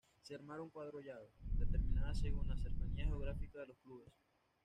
Se armaron cuatro llaves, determinadas según la cercanía geográfica de los clubes.